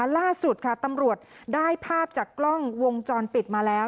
ล่าสุดค่ะตำรวจได้ภาพจากกล้องวงจรปิดมาแล้ว